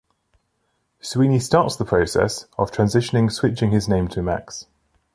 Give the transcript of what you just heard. Sweeney starts the process of transitioning switching his name to Max.